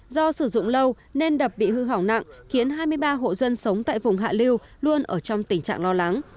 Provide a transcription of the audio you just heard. do sử dụng lâu nên đập bị hư hỏng nặng khiến hai mươi ba hộ dân sống tại vùng hạ liêu luôn ở trong tình trạng lo lắng